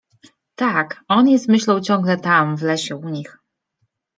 — Tak, on jest myślą ciągle tam w lesie u nich…